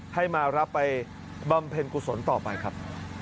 ให้มารับไปบำเพ็ญกุศลต่อไปครับ